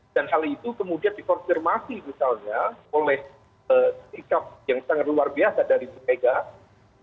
dan hal itu kemudian dikonfirmasi misalnya oleh ikat yang sangat luar biasa dari ibu megawati